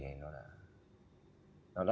cái nghề này nó đã